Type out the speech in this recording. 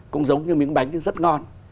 cũng giống như miếng bánh nhưng rất ngon